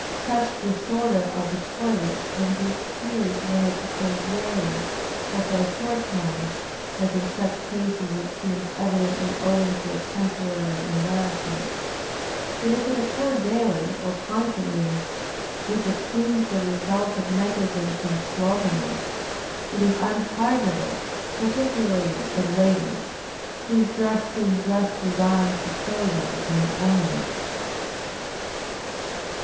Such disorder of the toilet can be excused when it occurs rarely, or for a short time, as in such cases it seems evidently owing to a temporary embarrassment; but if it occur daily, or constantly; if it seems the result of negligence and slovenliness, it is unpardonable, particularly in ladies, whose dress seems less designed for clothing than ornament.